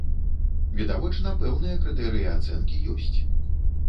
Відавочна, пэўныя крытэрыі ацэнкі ёсць.